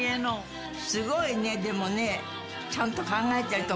すごいねでもねちゃんと考えてるとこがね。